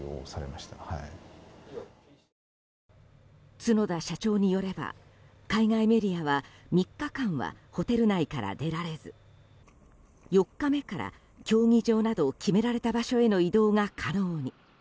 角田社長によれば海外メディアは３日間はホテル内から出られず４日目から競技場など決められた場所への移動が可能に。